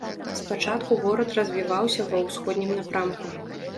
Спачатку горад развіваўся ва ўсходнім напрамку.